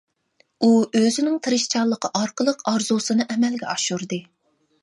ئۇ ئۆزىنىڭ تىرىشچانلىقى ئارقىلىق ئارزۇسىنى ئەمەلگە ئاشۇردى.